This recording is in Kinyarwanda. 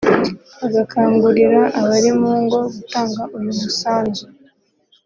bagakangurira abari mu ngo gutanga uyu musanzu